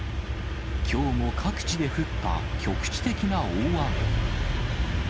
きょうも各地で降った局地的な大雨。